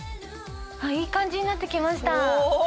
いい感じになってきました。